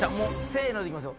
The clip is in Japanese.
せのでいきます